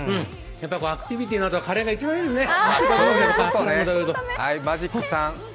アクティビティーのあとはカレーが一番いいですね。